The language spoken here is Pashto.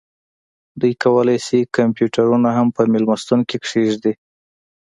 دوی کولی شي کمپیوټرونه هم په میلمستون کې کیږدي